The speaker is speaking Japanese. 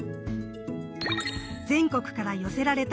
全国から寄せられた